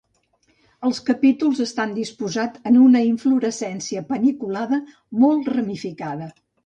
Els capítols estan disposats en una inflorescència paniculada molt ramificada.